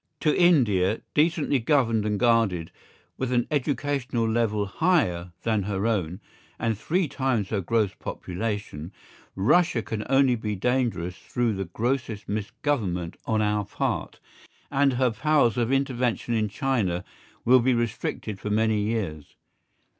To India, decently governed and guarded, with an educational level higher than her own, and three times her gross population, Russia can only be dangerous through the grossest misgovernment on our part, and her powers of intervention in China will be restricted for many years.